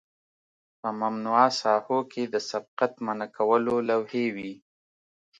په ممنوعه ساحو کې د سبقت منع کولو لوحې وي